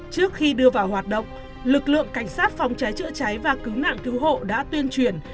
trước khi đưa vào hoạt động lực lượng cảnh sát phòng cháy chữa cháy và cứu nạn cứu hộ đã tuyên truyền